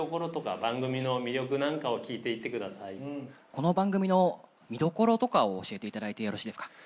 この番組の見どころを教えていただいてよろしいですか。